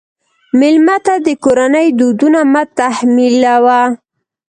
مېلمه ته د کورنۍ دودونه مه تحمیلوه.